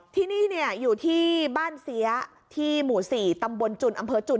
ที่นี่อยู่ที่บ้านเสียที่หมู่๔ตำบลจุ่นอำเภอจุน